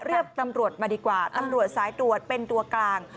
เรียกตำรวจมาดีกว่าตำรวจสายตรวจเป็นตัวกลาง